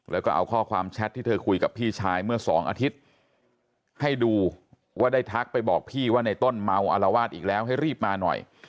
แล้วก็เอาข้อความแชทที่เธอคุยกับพี่ชายเมื่อสองอาทิตย์ให้ดูว่าได้ทักไปบอกพี่ว่าในต้นเมาอารวาสอีกแล้วให้รีบมาหน่อย